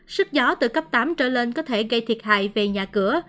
sức gió từ cấp tám trở lên có thể gây thiệt hại về nhà cửa